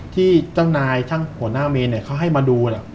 ที่เจ้านายช่างหัวหน้าเมนเขาให้มาดู